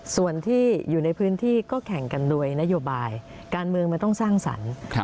ส่วนที่อยู่ในพื้นที่ก็แข่งกันโดยนโยบายการเมืองมันต้องสร้างสรรค์